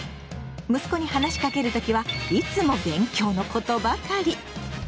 息子に話しかける時はいつも勉強のことばかり。